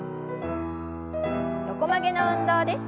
横曲げの運動です。